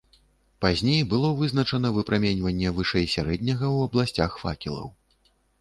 Пазней было вызначана выпраменьванне вышэй сярэдняга ў абласцях факелаў.